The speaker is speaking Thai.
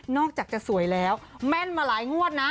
อกจากจะสวยแล้วแม่นมาหลายงวดนะ